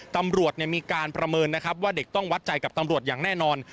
ตำรวจมีการประเมินนะครับว่าเด็กต้องวัดใจกับตำรวจอย่างแน่นอน